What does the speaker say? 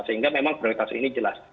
sehingga memang prioritas ini jelas